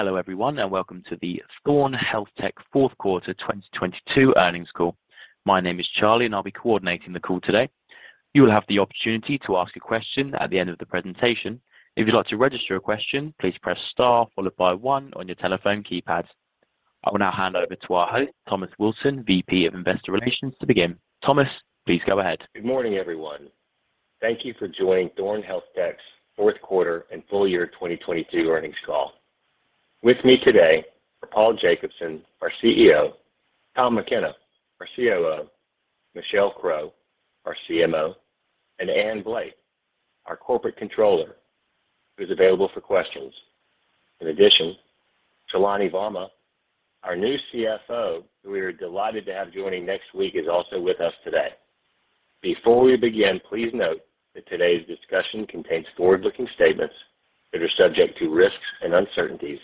Hello everyone, welcome to the Thorne HealthTech fourth quarter 2022 earnings call. My name is Charlie, and I'll be coordinating the call today. You will have the opportunity to ask a question at the end of the presentation. If you'd like to register a question, please press star followed by one on your telephone keypad. I will now hand over to our host, Thomas Wilson, VP of Investor Relations, to begin. Thomas, please go ahead. Good morning, everyone. Thank you for joining Thorne HealthTech's fourth quarter and full year 2022 earnings call. With me today are Paul Jacobson, our CEO, Tom McKenna, our COO, Michelle Crow, our CMO, and Ann Blake, our Corporate Controller, who's available for questions. In addition, Saloni Varma, our new CFO, who we are delighted to have joining next week, is also with us today. Before we begin, please note that today's discussion contains forward-looking statements that are subject to risks and uncertainties.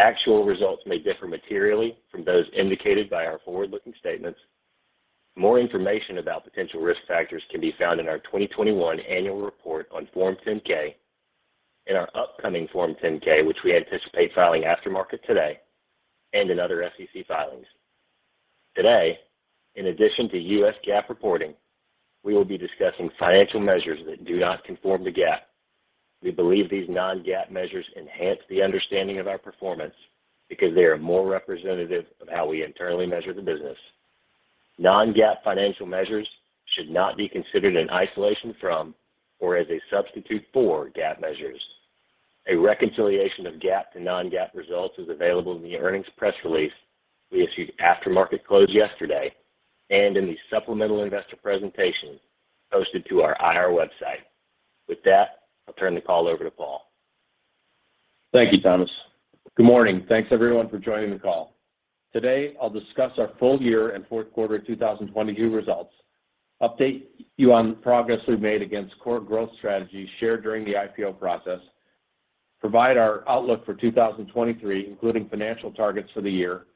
Actual results may differ materially from those indicated by our forward-looking statements. More information about potential risk factors can be found in our 2021 annual report on Form 10-K, in our upcoming Form 10-K, which we anticipate filing after market today, and in other SEC filings. Today, in addition to U.S. GAAP reporting, we will be discussing financial measures that do not conform to GAAP. We believe these non-GAAP measures enhance the understanding of our performance because they are more representative of how we internally measure the business. Non-GAAP financial measures should not be considered in isolation from or as a substitute for GAAP measures. A reconciliation of GAAP to non-GAAP results is available in the earnings press release we issued after market close yesterday and in the supplemental investor presentation posted to our IR website. With that, I'll turn the call over to Paul. Thank you, Thomas. Good morning. Thanks everyone for joining the call. Today, I'll discuss our full year and fourth quarter 2022 results, update you on progress we've made against core growth strategies shared during the IPO process, provide our outlook for 2023, including financial targets for the year.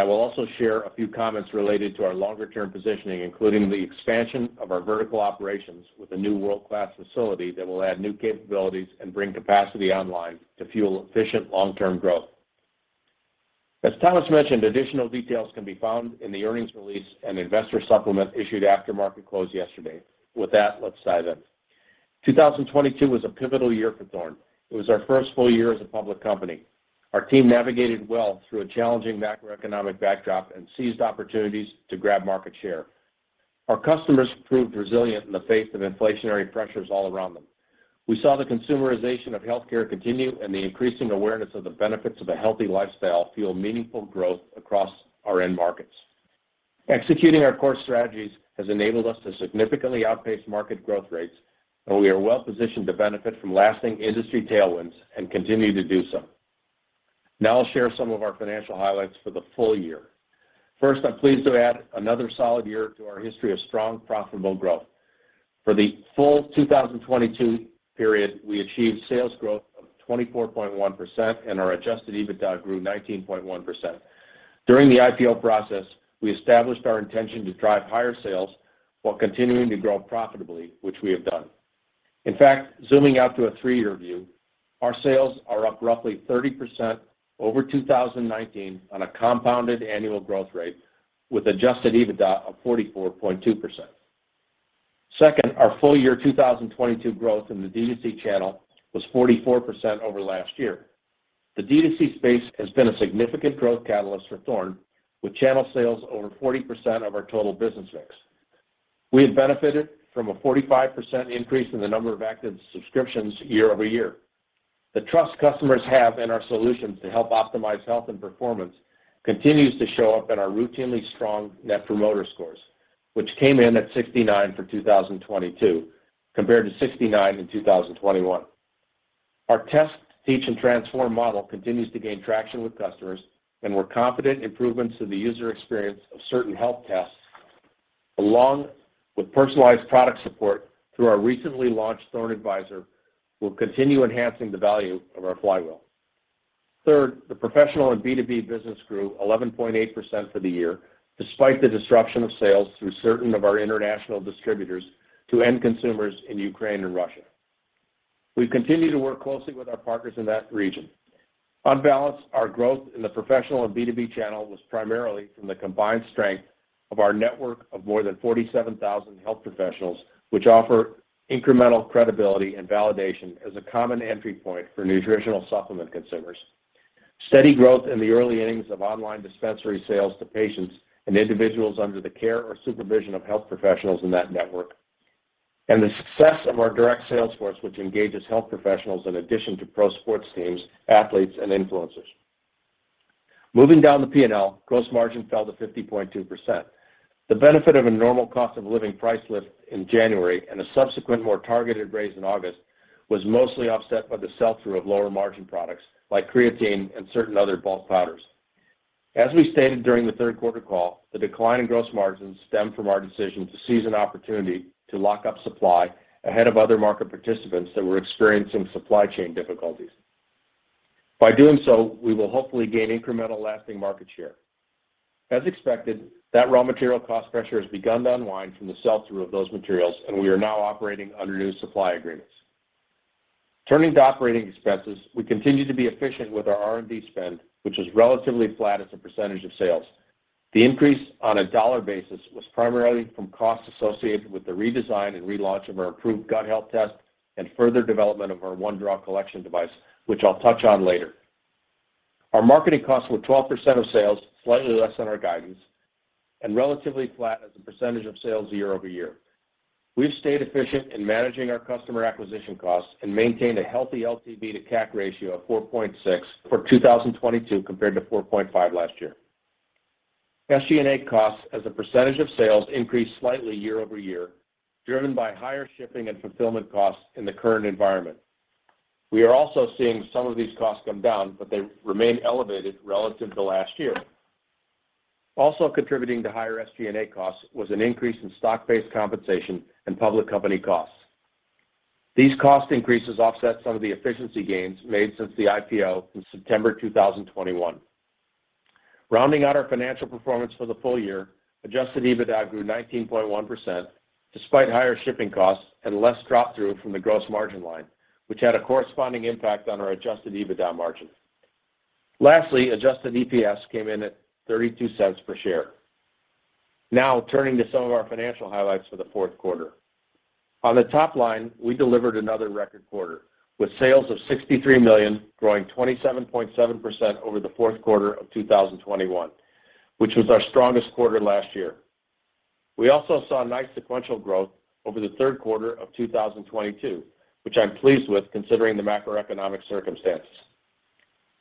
I will also share a few comments related to our longer term positioning, including the expansion of our vertical operations with a new world-class facility that will add new capabilities and bring capacity online to fuel efficient long-term growth. As Thomas mentioned, additional details can be found in the earnings release and investor supplement issued after market close yesterday. Let's dive in. 2022 was a pivotal year for Thorne. It was our first full year as a public company. Our team navigated well through a challenging macroeconomic backdrop and seized opportunities to grab market share. Our customers proved resilient in the face of inflationary pressures all around them. We saw the consumerization of healthcare continue and the increasing awareness of the benefits of a healthy lifestyle fuel meaningful growth across our end markets. Executing our core strategies has enabled us to significantly outpace market growth rates, and we are well-positioned to benefit from lasting industry tailwinds and continue to do so. Now I'll share some of our financial highlights for the full year. First, I'm pleased to add another solid year to our history of strong, profitable growth. For the full 2022 period, we achieved sales growth of 24.1% and our Adjusted EBITDA grew 19.1%. During the IPO process, we established our intention to drive higher sales while continuing to grow profitably, which we have done. Zooming out to a three-year view, our sales are up roughly 30% over 2019 on a compounded annual growth rate with Adjusted EBITDA of 44.2%. Our full year 2022 growth in the DTC channel was 44% over last year. The DTC space has been a significant growth catalyst for Thorne, with channel sales over 40% of our total business mix. We have benefited from a 45% increase in the number of active subscriptions year-over-year. The trust customers have in our solutions to help optimize health and performance continues to show up in our routinely strong net promoter scores, which came in at 69 for 2022, compared to 69 in 2021. Our test, teach, and transform model continues to gain traction with customers, and we're confident improvements to the user experience of certain health tests, along with personalized product support through our recently launched Thorne Advisor, will continue enhancing the value of our flywheel. Third, the professional and B2B business grew 11.8% for the year, despite the disruption of sales through certain of our international distributors to end consumers in Ukraine and Russia. We've continued to work closely with our partners in that region. On balance, our growth in the professional and B2B channel was primarily from the combined strength of our network of more than 47,000 health professionals, which offer incremental credibility and validation as a common entry point for nutritional supplement consumers. Steady growth in the early innings of online dispensary sales to patients and individuals under the care or supervision of health professionals in that network, and the success of our direct sales force, which engages health professionals in addition to pro sports teams, athletes, and influencers. Moving down the P&L, gross margin fell to 50.2%. The benefit of a normal cost of living price lift in January and a subsequent more targeted raise in August was mostly offset by the sell-through of lower margin products like creatine and certain other bulk powders. As we stated during the third quarter call, the decline in gross margins stemmed from our decision to seize an opportunity to lock up supply ahead of other market participants that were experiencing supply chain difficulties. By doing so, we will hopefully gain incremental lasting market share. As expected, that raw material cost pressure has begun to unwind from the sell-through of those materials, and we are now operating under new supply agreements. Turning to operating expenses, we continue to be efficient with our R&D spend, which was relatively flat as a percentage of sales. The increase on a dollar basis was primarily from costs associated with the redesign and relaunch of our approved Gut Health Test and further development of our OneDraw collection device, which I'll touch on later. Our marketing costs were 12% of sales, slightly less than our guidance, and relatively flat as a percentage of sales year-over-year. We've stayed efficient in managing our customer acquisition costs and maintained a healthy LTV to CAC ratio of 4.6 for 2022 compared to 4.5 last year. SG&A costs as a percentage of sales increased slightly year-over-year, driven by higher shipping and fulfillment costs in the current environment. We are also seeing some of these costs come down, but they remain elevated relative to last year. Also contributing to higher SG&A costs was an increase in stock-based compensation and public company costs. These cost increases offset some of the efficiency gains made since the IPO in September 2021. Rounding out our financial performance for the full year, Adjusted EBITDA grew 19.1% despite higher shipping costs and less drop-through from the gross margin line, which had a corresponding impact on our Adjusted EBITDA margin. Lastly, Adjusted EPS came in at $0.32 per share. Now, turning to some of our financial highlights for the fourth quarter. On the top line, we delivered another record quarter, with sales of $63 million growing 27.7% over the fourth quarter of 2021, which was our strongest quarter last year. We also saw nice sequential growth over the third quarter of 2022, which I'm pleased with considering the macroeconomic circumstances.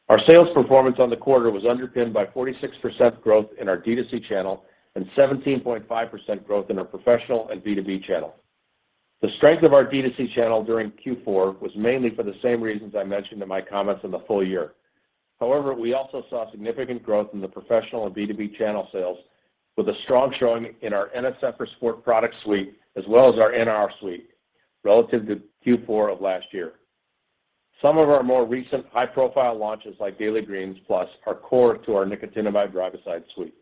Our sales performance on the quarter was underpinned by 46% growth in our DTC channel and 17.5% growth in our professional and B2B channel. The strength of our DTC channel during Q4 was mainly for the same reasons I mentioned in my comments on the full year. However, we also saw significant growth in the professional and B2B channel sales with a strong showing in our NSF for Sport product suite as well as our NR suite relative to Q4 of last year. Some of our more recent high-profile launches like Daily Greens Plus are core to our nicotinamide riboside suite.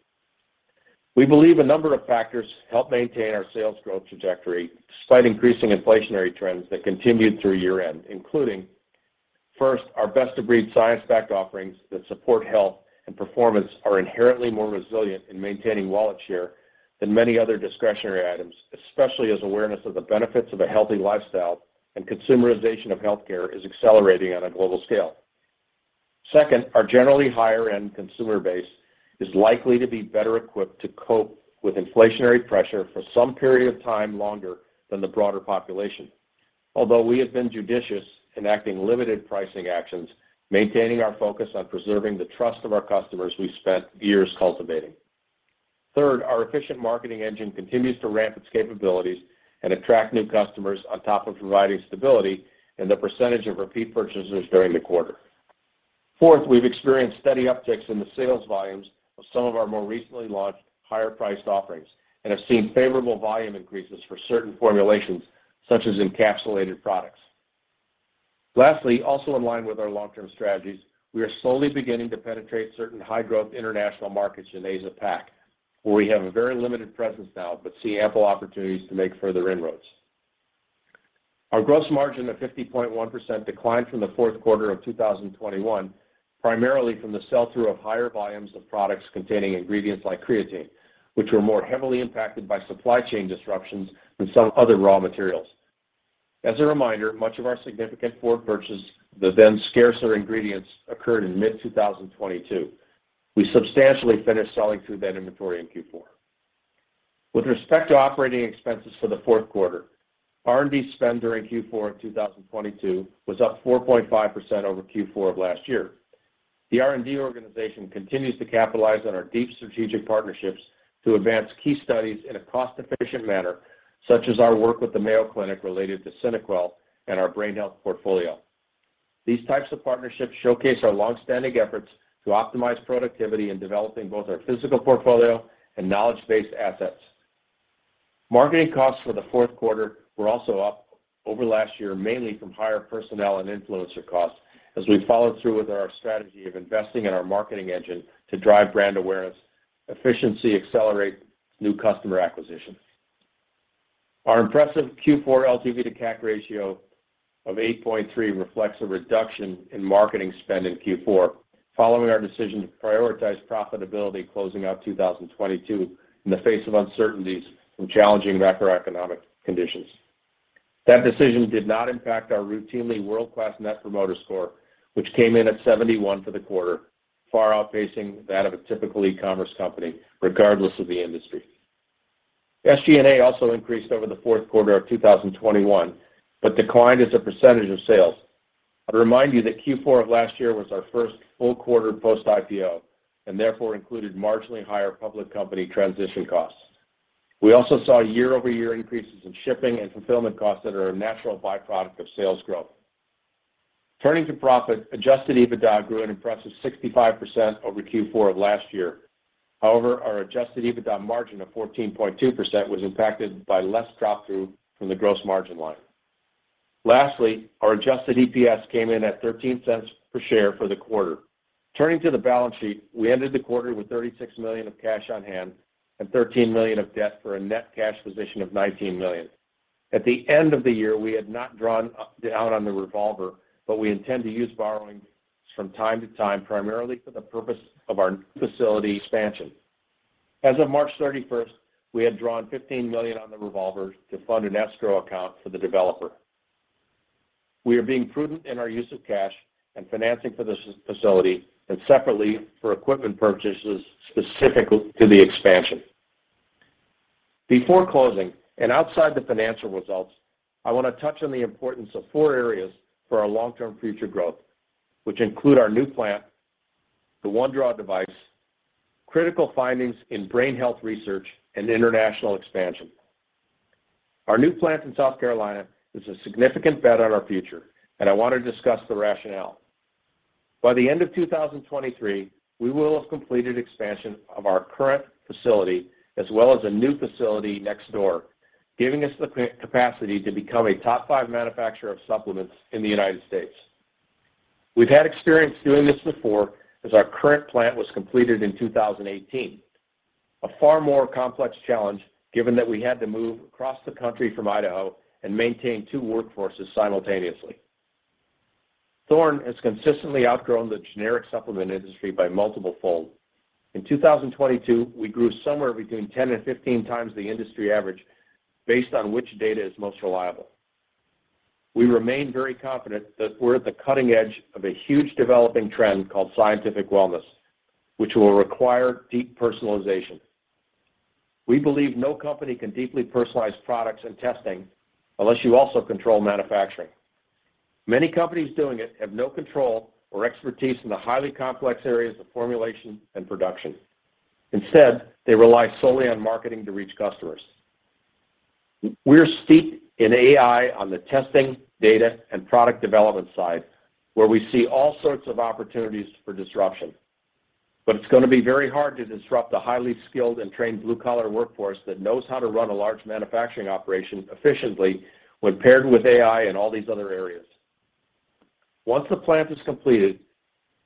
We believe a number of factors help maintain our sales growth trajectory despite increasing inflationary trends that continued through year-end, including, first, our best-of-breed science-backed offerings that support health and performance are inherently more resilient in maintaining wallet share than many other discretionary items, especially as awareness of the benefits of a healthy lifestyle and consumerization of healthcare is accelerating on a global scale. Second, our generally higher-end consumer base is likely to be better equipped to cope with inflationary pressure for some period of time longer than the broader population. Although we have been judicious in acting limited pricing actions, maintaining our focus on preserving the trust of our customers we've spent years cultivating. Third, our efficient marketing engine continues to ramp its capabilities and attract new customers on top of providing stability in the percentage of repeat purchases during the quarter. Fourth, we've experienced steady upticks in the sales volumes of some of our more recently launched higher-priced offerings and have seen favorable volume increases for certain formulations such as encapsulated products. Lastly, also in line with our long-term strategies, we are slowly beginning to penetrate certain high-growth international markets in Asia-Pac, where we have a very limited presence now, but see ample opportunities to make further inroads. Our gross margin of 50.1% declined from the fourth quarter of 2021, primarily from the sell-through of higher volumes of products containing ingredients like creatine, which were more heavily impacted by supply chain disruptions than some other raw materials. As a reminder, much of our significant forward purchase of the then scarcer ingredients occurred in mid-2022. We substantially finished selling through that inventory in Q4. With respect to operating expenses for the fourth quarter, R&D spend during Q4 of 2022 was up 4.5% over Q4 of last year. The R&D organization continues to capitalize on our deep strategic partnerships to advance key studies in a cost-efficient manner, such as our work with the Mayo Clinic related to SynaQuell and our brain health portfolio. These types of partnerships showcase our long-standing efforts to optimize productivity in developing both our physical portfolio and knowledge-based assets. Marketing costs for the fourth quarter were also up over last year, mainly from higher personnel and influencer costs as we followed through with our strategy of investing in our marketing engine to drive brand awareness, efficiency, accelerate new customer acquisition. Our impressive Q4 LTV to CAC ratio of 8.3 reflects a reduction in marketing spend in Q4 following our decision to prioritize profitability closing out 2022 in the face of uncertainties from challenging macroeconomic conditions. That decision did not impact our routinely world-class Net Promoter Score, which came in at 71 for the quarter, far outpacing that of a typical e-commerce company, regardless of the industry. SG&A also increased over the fourth quarter of 2021, but declined as a percentage of sales. I'd remind you that Q4 of last year was our first full quarter post-IPO and therefore included marginally higher public company transition costs. We also saw year-over-year increases in shipping and fulfillment costs that are a natural byproduct of sales growth. Turning to profit, Adjusted EBITDA grew an impressive 65% over Q4 of last year. However, our Adjusted EBITDA margin of 14.2% was impacted by less drop-through from the gross margin line. Lastly, our Adjusted EPS came in at $0.13 per share for the quarter. Turning to the balance sheet, we ended the quarter with $36 million of cash on hand and $13 million of debt for a net cash position of $19 million. At the end of the year, we had not drawn down on the revolver, but we intend to use borrowings from time to time, primarily for the purpose of our new facility expansion. As of March 31st, we had drawn $15 million on the revolver to fund an escrow account for the developer. We are being prudent in our use of cash and financing for this facility, and separately for equipment purchases specific to the expansion. Before closing and outside the financial results, I want to touch on the importance of four areas for our long-term future growth, which include our new plant, the OneDraw device, critical findings in brain health research, and international expansion. Our new plant in South Carolina is a significant bet on our future, and I want to discuss the rationale. By the end of 2023, we will have completed expansion of our current facility as well as a new facility next door, giving us the capacity to become a top five manufacturer of supplements in the United States. We've had experience doing this before, as our current plant was completed in 2018. A far more complex challenge, given that we had to move across the country from Idaho and maintain two workforces simultaneously. Thorne has consistently outgrown the generic supplement industry by multiple fold. In 2022, we grew somewhere between 10x and 15x the industry average based on which data is most reliable. We remain very confident that we're at the cutting edge of a huge developing trend called scientific wellness, which will require deep personalization. We believe no company can deeply personalize products and testing unless you also control manufacturing. Many companies doing it have no control or expertise in the highly complex areas of formulation and production. Instead, they rely solely on marketing to reach customers. We're steeped in AI on the testing, data, and product development side, where we see all sorts of opportunities for disruption. It's gonna be very hard to disrupt the highly skilled and trained blue-collar workforce that knows how to run a large manufacturing operation efficiently when paired with AI and all these other areas. Once the plant is completed,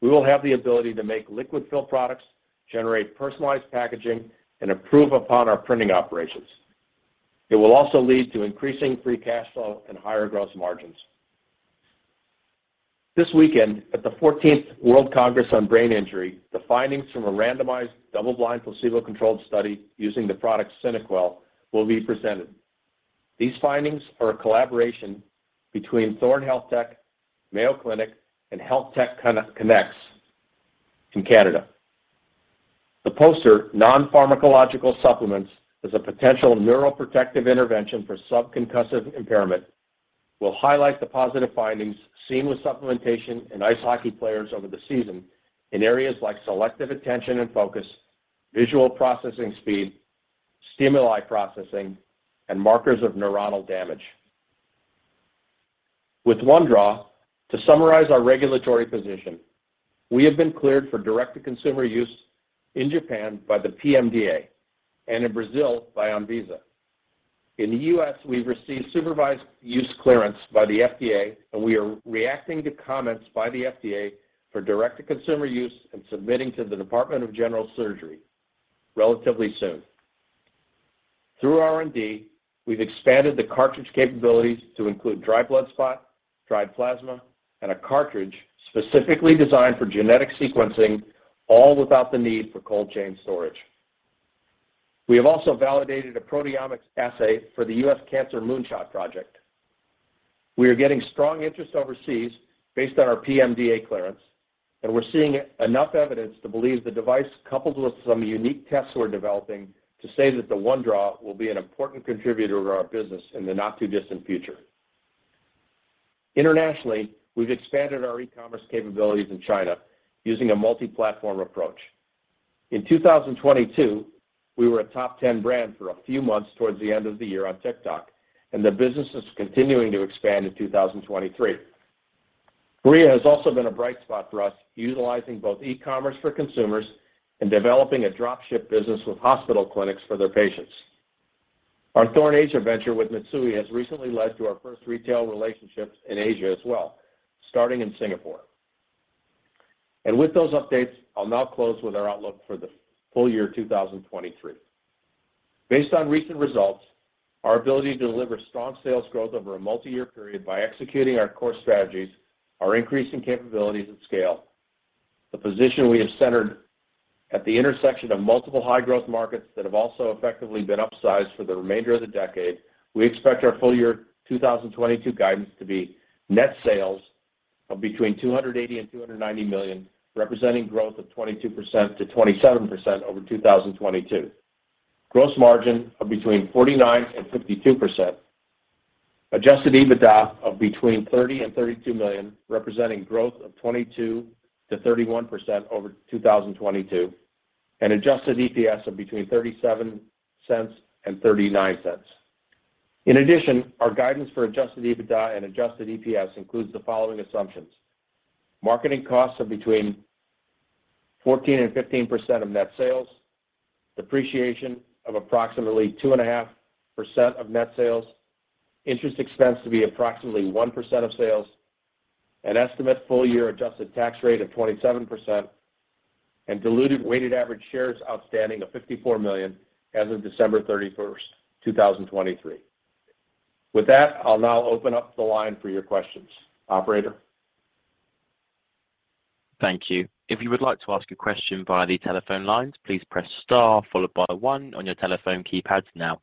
we will have the ability to make liquid-filled products, generate personalized packaging, and improve upon our printing operations. It will also lead to increasing free cash flow and higher gross margins. This weekend, at the 14th World Congress on Brain Injury, the findings from a randomized double-blind placebo-controlled study using the product SynaQuell will be presented. These findings are a collaboration between Thorne HealthTech, Mayo Clinic, and HealthTech Connex in Canada. The poster, Non-Pharmacological Supplements, is a potential neuroprotective intervention for subconcussive impairment, will highlight the positive findings seen with supplementation in ice hockey players over the season in areas like selective attention and focus, visual processing speed, stimuli processing, and markers of neuronal damage. With OneDraw, to summarize our regulatory position, we have been cleared for direct-to-consumer use in Japan by the PMDA and in Brazil by Anvisa. In the U.S., we've received supervised use clearance by the FDA, and we are reacting to comments by the FDA for direct-to-consumer use and submitting to the Department of General Surgery relatively soon. Through R&D, we've expanded the cartridge capabilities to include dried blood spot, dried plasma, and a cartridge specifically designed for genetic sequencing, all without the need for cold chain storage. We have also validated a proteomics assay for the U.S. Cancer Moonshot Project. We're seeing enough evidence to believe the device coupled with some unique tests we're developing to say that the OneDraw will be an important contributor to our business in the not-too-distant future. Internationally, we've expanded our e-commerce capabilities in China using a multi-platform approach. In 2022, we were a top 10 brand for a few months towards the end of the year on TikTok, the business is continuing to expand in 2023. Korea has also been a bright spot for us, utilizing both e-commerce for consumers and developing a drop-ship business with hospital clinics for their patients. Our Thorne Asia venture with Mitsui has recently led to our first retail relationships in Asia as well, starting in Singapore. With those updates, I'll now close with our outlook for the full year 2023. Based on recent results, our ability to deliver strong sales growth over a multi-year period by executing our core strategies, our increasing capabilities at scale, the position we have centered at the intersection of multiple high-growth markets that have also effectively been upsized for the remainder of the decade, we expect our full-year 2022 guidance to be net sales of between $280 million and $290 million, representing growth of 22%-27% over 2022. Gross margin of between 49% and 52%. Adjusted EBITDA of between $30 million and $32 million, representing growth of 22%-31% over 2022. Adjusted EPS of between $0.37 and $0.39. In addition, our guidance for Adjusted EBITDA and Adjusted EPS includes the following assumptions. Marketing costs of between... 14%-15% of net sales. Depreciation of approximately 2.5% of net sales. Interest expense to be approximately 1% of sales. An estimate full year adjusted tax rate of 27%, and diluted weighted average shares outstanding of 54 million as of December 31st, 2023. With that, I'll now open up the line for your questions. Operator? Thank you. If you would like to ask a question via the telephone lines, please press star followed by one on your telephone keypads now.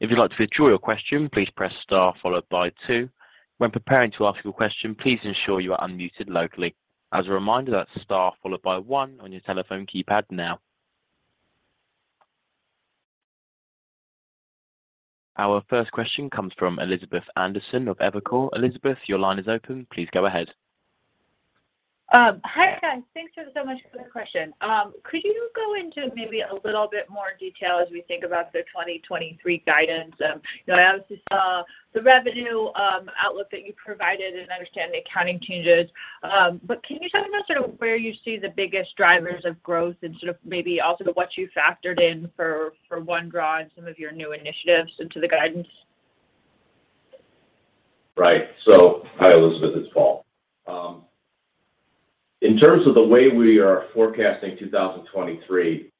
If you'd like to withdraw your question, please press star followed by two. When preparing to ask your question, please ensure you are unmuted locally. As a reminder, that's star followed by one on your telephone keypad now. Our first question comes from Elizabeth Anderson of Evercore. Elizabeth, your line is open. Please go ahead. Hi, guys. Thanks for so much for the question. Could you go into maybe a little bit more detail as we think about the 2023 guidance? You know, I obviously saw the revenue outlook that you provided, and I understand the accounting changes. Can you tell me about sort of where you see the biggest drivers of growth and sort of maybe also what you factored in for OneDraw in some of your new initiatives into the guidance? Right. Hi, Elizabeth, it's Paul. In terms of the way we are forecasting 2023,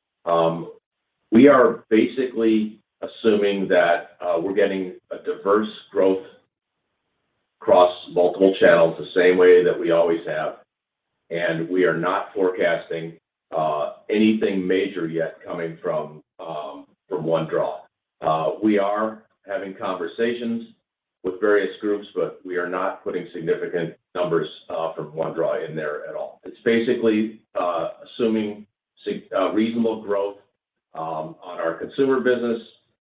we are basically assuming that we're getting a diverse growth across multiple channels the same way that we always have, we are not forecasting anything major yet coming from OneDraw. We are having conversations with various groups, we are not putting significant numbers from OneDraw in there at all. It's basically assuming reasonable growth on our consumer business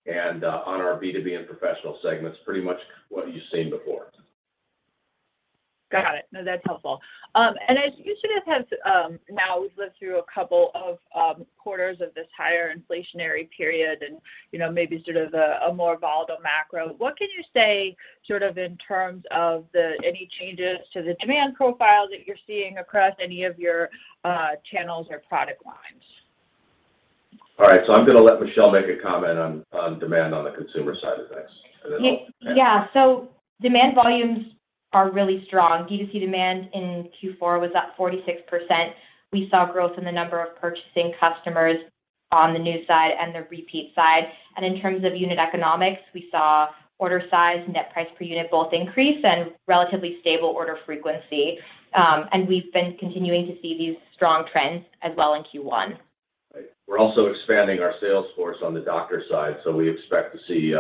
on our B2B and professional segments, pretty much what you've seen before. Got it. No, that's helpful. As you sort of have, now we've lived through a couple of quarters of this higher inflationary period and, you know, maybe sort of a more volatile macro. What can you say sort of in terms of any changes to the demand profile that you're seeing across any of your channels or product lines? All right. I'm gonna let Michelle make a comment on demand on the consumer side of things, and then. Yeah. Demand volumes are really strong. DTC demand in Q4 was up 46%. We saw growth in the number of purchasing customers on the new side and the repeat side. In terms of unit economics, we saw order size, net price per unit both increase and relatively stable order frequency. We've been continuing to see these strong trends as well in Q1. Right. We're also expanding our sales force on the doctor side, we expect to see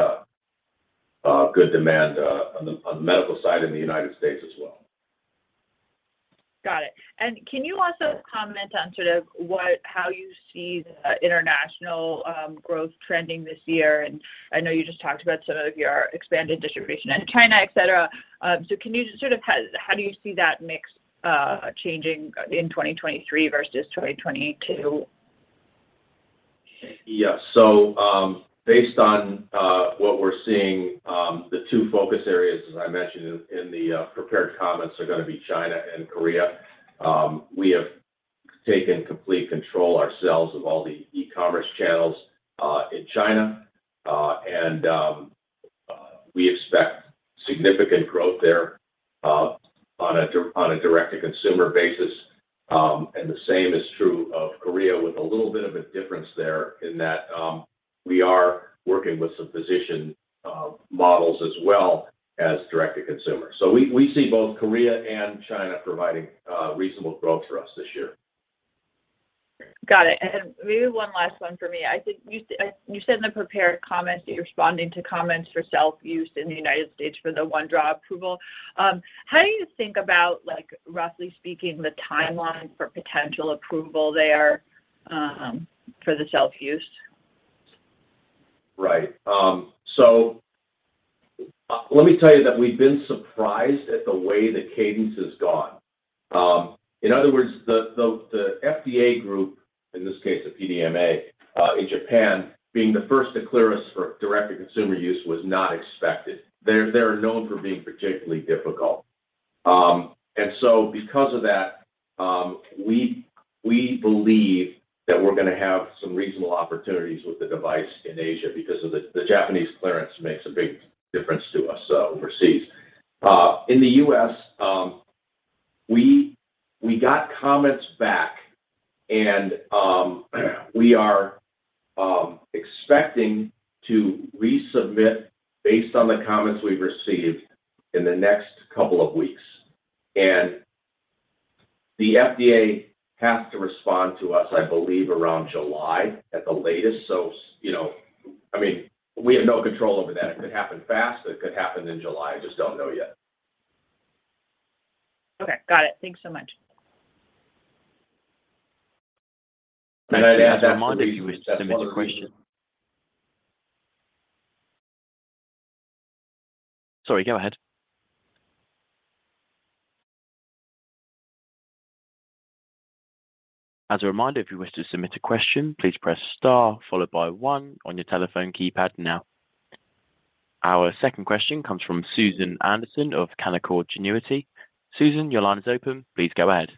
good demand on the medical side in the United States as well. Got it. Can you also comment on how you see the international growth trending this year? I know you just talked about some of your expanded distribution in China, et cetera. Can you How do you see that mix changing in 2023 versus 2022? Yes. Based on what we're seeing, the two focus areas, as I mentioned in the prepared comments, are going to be China and Korea. We have taken complete control ourselves of all the e-commerce channels in China, and we expect significant growth there on a direct-to-consumer basis. The same is true of Korea with a little bit of a difference there in that we are working with some physician models as well as direct-to-consumer. We see both Korea and China providing reasonable growth for us this year. Got it. Maybe one last one for me. I think you said in the prepared comments that you're responding to comments for self-use in the United States for the OneDraw approval. How do you think about, like, roughly speaking, the timeline for potential approval there for the self-use? Right. Let me tell you that we've been surprised at the way the cadence has gone. In other words, the FDA group, in this case, the PMDA in Japan, being the first to clear us for direct-to-consumer use was not expected. They're known for being particularly difficult. Because of that, we believe that we're gonna have some reasonable opportunities with the device in Asia because of the Japanese clearance makes a big difference to us overseas. In the U.S., we got comments back and we are expecting to resubmit based on the comments we've received in the next couple of weeks. The FDA has to respond to us, I believe, around July at the latest. You know, I mean, we have no control over that. It could happen fast, it could happen in July. I just don't know yet. Okay. Got it. Thanks so much. As a reminder, if you wish to submit a question, please press star followed by 1 on your telephone keypad now. Our second question comes from Susan Anderson of Canaccord Genuity. Susan, your line is open. Please go ahead.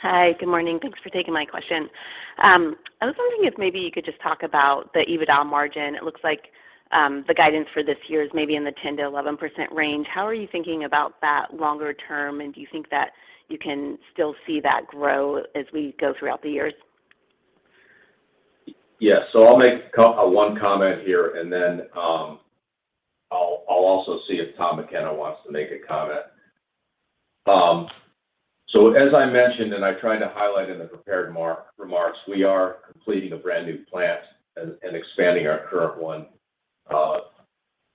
Hi, good morning. Thanks for taking my question. I was wondering if maybe you could just talk about the EBITDA margin. It looks like the guidance for this year is maybe in the 10%-11% range. How are you thinking about that longer term, and do you think that you can still see that grow as we go throughout the years? Yes. I'll make one comment here, and then, I'll also see if Tom McKenna wants to make a comment. As I mentioned, and I tried to highlight in the prepared remarks, we are completing a brand-new plant and expanding our current one,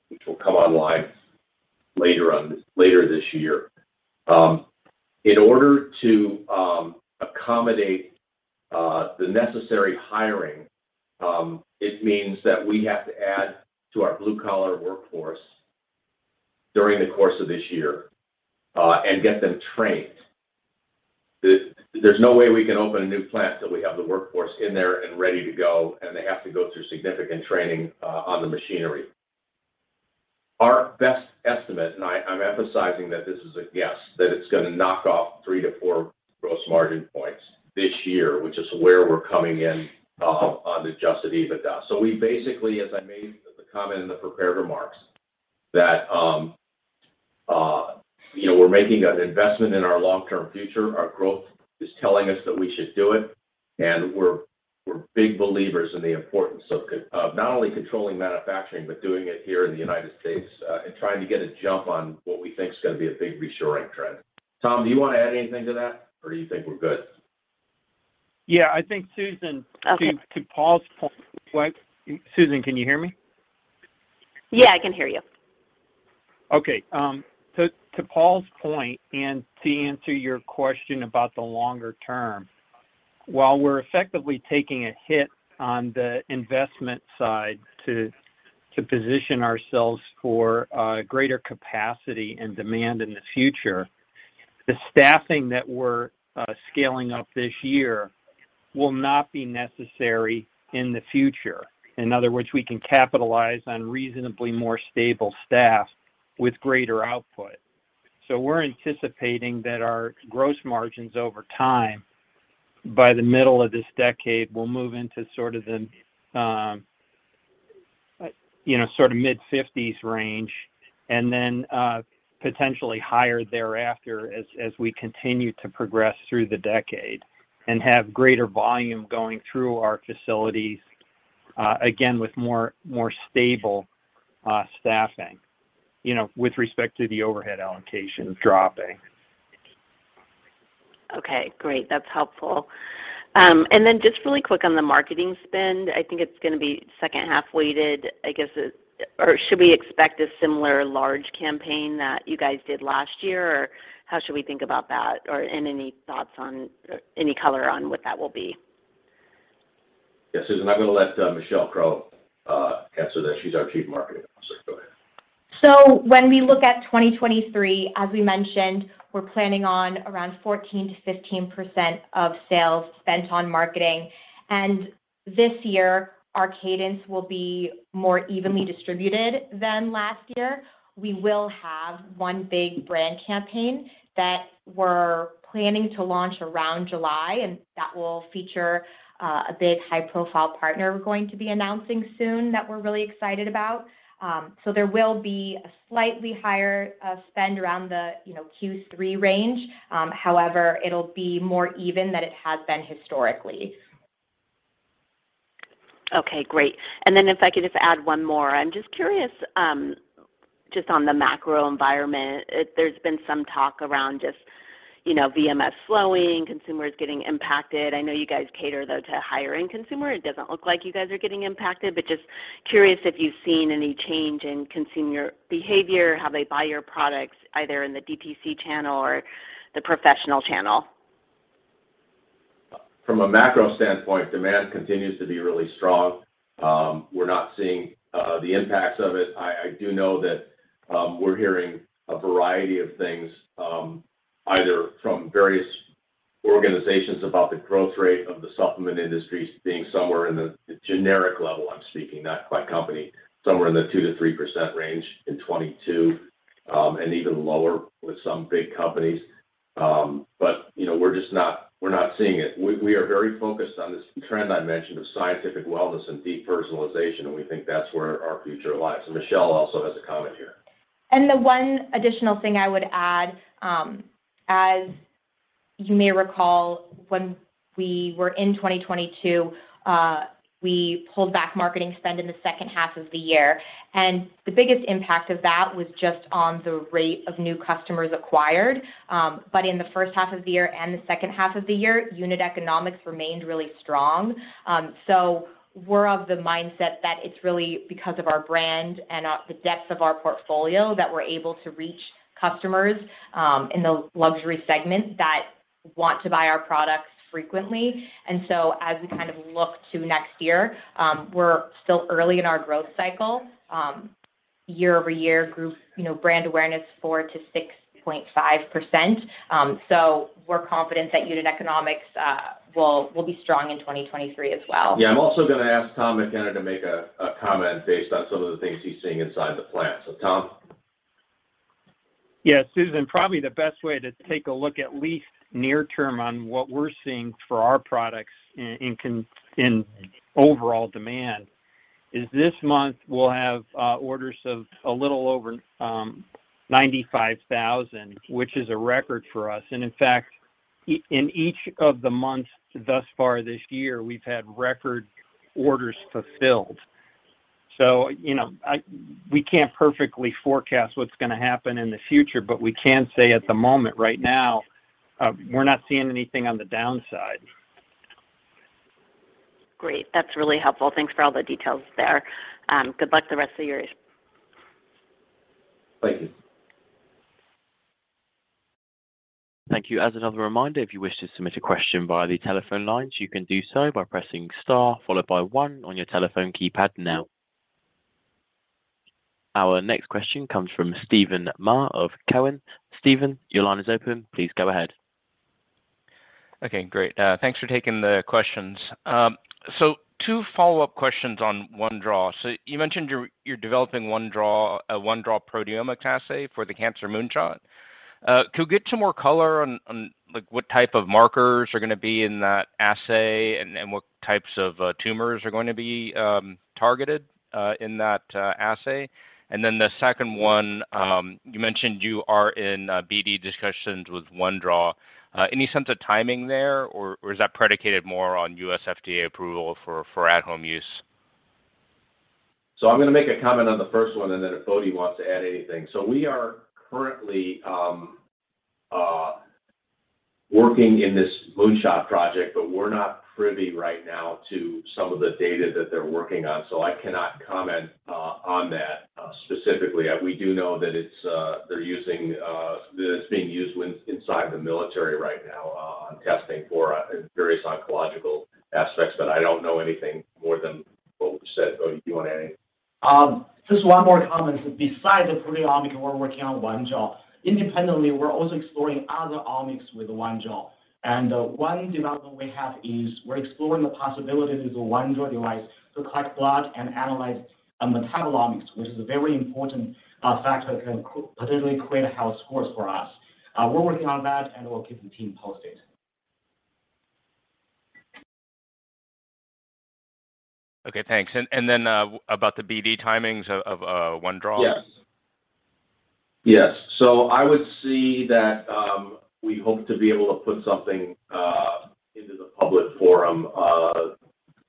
which will come online later this year. In order to accommodate the necessary hiring, it means that we have to add to our blue-collar workforce during the course of this year, and get them trained. There's no way we can open a new plant till we have the workforce in there and ready to go, and they have to go through significant training on the machinery. Our best estimate, and I'm emphasizing that this is a guess, that it's gonna knock off 3-4 gross margin points this year, which is where we're coming in on Adjusted EBITDA. We basically, as I made the comment in the prepared remarks, that, you know, we're making an investment in our long-term future. Our growth is telling us that we should do it, and we're big believers in the importance of not only controlling manufacturing, but doing it here in the United States, and trying to get a jump on what we think is gonna be a big reshoring trend. Tom, do you wanna add anything to that or do you think we're good? Yeah, I think, Susan- Okay. To Paul's point... What? Susan, can you hear me? Yeah, I can hear you. Okay. To Paul's point and to answer your question about the longer term, while we're effectively taking a hit on the investment side to position ourselves for greater capacity and demand in the future, the staffing that we're scaling up this year will not be necessary in the future. In other words, we can capitalize on reasonably more stable staff with greater output. We're anticipating that our gross margins over time, by the middle of this decade, will move into sort of the, you know, sort of mid-50s range and then potentially higher thereafter as we continue to progress through the decade and have greater volume going through our facilities, again with more stable staffing. You know, with respect to the overhead allocations dropping. Okay, great. That's helpful. Then just really quick on the marketing spend, I think it's gonna be second-half weighted. I guess, or should we expect a similar large campaign that you guys did last year or how should we think about that? Any thoughts on or any color on what that will be? Yeah, Susan, I'm gonna let Michelle Crow answer that. She's our Chief Marketing Officer. Go ahead. When we look at 2023, as we mentioned, we're planning on around 14%-15% of sales spent on marketing. This year, our cadence will be more evenly distributed than last year. We will have one big brand campaign that we're planning to launch around July and that will feature a big high-profile partner we're going to be announcing soon that we're really excited about. There will be a slightly higher spend around the, you know, Q3 range. However, it'll be more even than it has been historically. Okay, great. If I could just add one more. I'm just curious, just on the macro environment. There's been some talk around just, you know, VMS slowing, consumers getting impacted. I know you guys cater, though, to a higher-end consumer. It doesn't look like you guys are getting impacted, but just curious if you've seen any change in consumer behavior, how they buy your products either in the DTC channel or the professional channel? From a macro standpoint, demand continues to be really strong. We're not seeing the impacts of it. I do know that we're hearing a variety of things either from various organizations about the growth rate of the supplement industries being somewhere in the generic level I'm speaking, not by company. Somewhere in the 2%-3% range in 2022, and even lower with some big companies. You know, we're just not, we're not seeing it. We are very focused on this trend I mentioned of scientific wellness and deep personalization and we think that's where our future lies. Michelle also has a comment here. The one additional thing I would add, as you may recall when we were in 2022, we pulled back marketing spend in the second half of the year. The biggest impact of that was just on the rate of new customers acquired. In the first half of the year and the second half of the year, unit economics remained really strong. We're of the mindset that it's really because of our brand and the depth of our portfolio that we're able to reach customers in the luxury segment that want to buy our products frequently. As we kind of look to next year, we're still early in our growth cycle, Year-over-year group, you know, brand awareness 4%-6.5%, we're confident that unit economics will be strong in 2023 as well. Yeah, I'm also gonna ask Tom McKenna to make a comment based on some of the things he's seeing inside the plant. Tom? Yeah, Susan, probably the best way to take a look at least near term on what we're seeing for our products in overall demand is this month we'll have orders of a little over $95,000, which is a record for us. In fact, in each of the months thus far this year, we've had record orders fulfilled. You know, I we can't perfectly forecast what's gonna happen in the future, but we can say at the moment right now, we're not seeing anything on the downside. Great. That's really helpful. Thanks for all the details there. Good luck the rest of your year. Thank you. Thank you. As another reminder, if you wish to submit a question via the telephone lines, you can do so by pressing star followed by one on your telephone keypad now. Our next question comes from Steven Mah of Cowen. Steven, your line is open. Please go ahead. Okay, great. Thanks for taking the questions. Two follow-up questions on OneDraw. You mentioned you're developing OneDraw, a OneDraw proteomics assay for the Cancer Moonshot. Could we get some more color on like what type of markers are gonna be in that assay and what types of tumors are going to be targeted in that assay? The second one, you mentioned you are in BD discussions with OneDraw. Any sense of timing there, or is that predicated more on U.S. FDA approval for at-home use? I'm gonna make a comment on the first one, and then if Bodi wants to add anything. We are currently working in this Moonshot Project, but we're not privy right now to some of the data that they're working on, so I cannot comment on that specifically. We do know that it's they're using that it's being used inside the military right now on testing for various oncological aspects, but I don't know anything more than what we've said. Bodi, do you wanna add anything? Just one more comment. Besides the proteomic, we're working on OneDraw. Independently, we're also exploring other omics with OneDraw. One development we have is we're exploring the possibility with the OneDraw device to collect blood and analyze the metabolomics, which is a very important factor that can potentially create a health scores for us. We're working on that, and we'll keep the team posted. Okay, thanks. About the BD timings of OneDraw. Yes. I would see that we hope to be able to put something into the public forum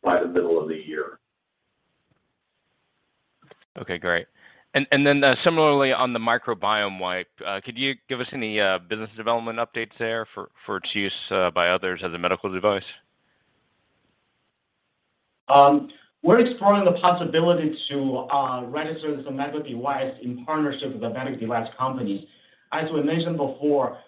by the middle of the year. Okay, great. Similarly on the Microbiome Wipe, could you give us any business development updates there for its use by others as a medical device? We're exploring the possibility to register as a medical device in partnership with a medical device company. As we mentioned before,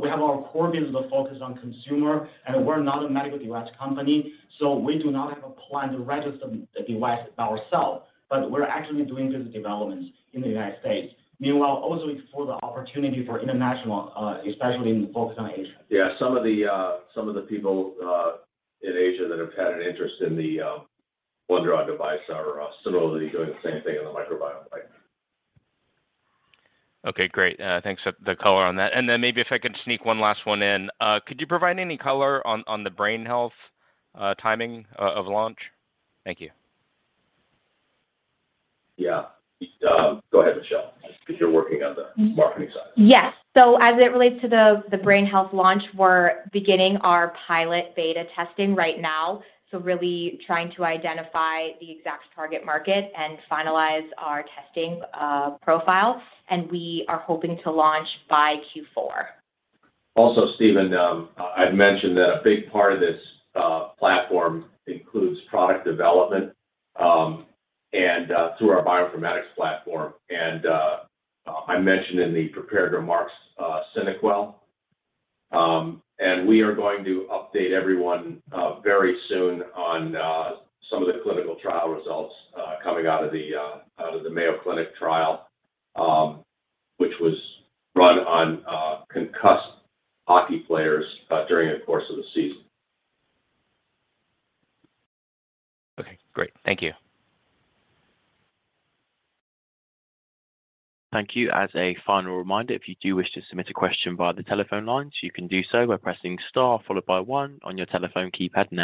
we have our core business focused on consumer. We're not a medical device company. We do not have a plan to register the device ourself. We're actively doing business developments in the United States. Meanwhile, also explore the opportunity for international, especially focusing on Asia. Yeah, some of the people, in Asia that have had an interest in the OneDraw device are, similarly doing the same thing in the microbiome pipeline. Okay, great. Thanks for the color on that. Then maybe if I could sneak one last one in. Could you provide any color on the brain health timing of launch? Thank you. Yeah. Go ahead, Michelle, because you're working on the marketing side. Yes. As it relates to the brain health launch, we're beginning our pilot beta testing right now, so really trying to identify the exact target market and finalize our testing profile, and we are hoping to launch by Q4. Also, Steven, I'd mentioned that a big part of this platform includes product development, and through our bioinformatics platform. I mentioned in the prepared remarks, SynaQuell. We are going to update everyone very soon on some of the clinical trial results coming out of the Mayo Clinic trial, which was run on concussed hockey players during the course of the season. Okay, great. Thank you. Thank you. As a final reminder, if you do wish to submit a question via the telephone lines, you can do so by pressing star followed by one on your telephone keypad now.